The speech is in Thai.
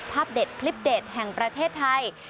เด็ดคลิปเด็ดแห่งประเทศไทย